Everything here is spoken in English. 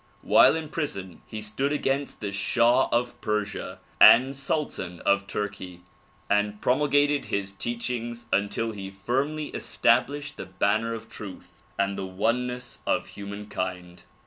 While in prison he stood against the shah of Persia and sultan of Turkey and promulgated his teach ings until he firmly established the banner of truth and the oneness of humankind.